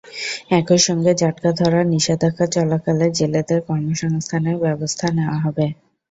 একই সঙ্গে জাটকা ধরার নিষেধাজ্ঞা চলাকালে জেলেদের কর্মসংস্থানের ব্যবস্থা নেওয়া হবে।